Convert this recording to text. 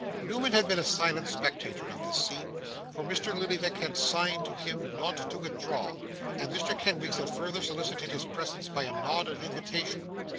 Newman had been a silent spectator of this scene; for Mr. Lillyvick had signed to him not to withdraw, and Mr. Kenwigs had further solicited his presence by a nod of invitation.